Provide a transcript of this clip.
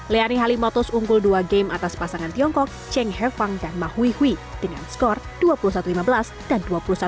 leoni halimatus unggul dua game atas pasangan tiongkok cheng he fang dan ma hui hui dengan skor dua puluh satu lima belas dan dua puluh satu dua belas